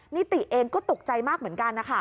นิติเองก็ตกใจมากเหมือนกันนะคะ